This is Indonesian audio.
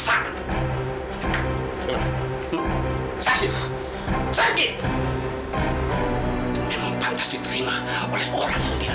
sampai jumpa di video selanjutnya